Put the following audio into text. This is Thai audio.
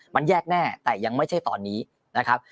มันแยกแน่แต่ยังไม่ใช่ตอนนี้นะครับ